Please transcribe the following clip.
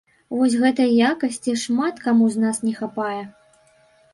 Вось гэтай якасці шмат каму з нас не хапае.